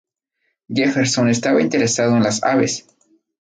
Jefferson estaba interesado en las aves.